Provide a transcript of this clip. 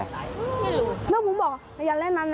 ไม่รู้ไม่รู้ไม่รู้ไม่รู้